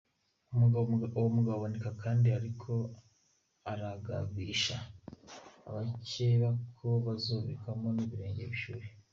Uwo mugabo aboneka kandi ariko aragabisha abakeba ko bazobirukako n'ibirenge bishuhe.